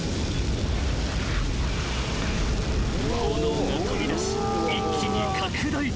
［炎が飛び出し一気に拡大］